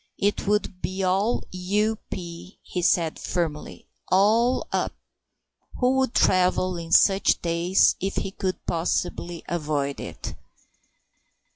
"It would be all U.P.," he said firmly; "all up...." Who would travel in such days if he could possibly avoid it?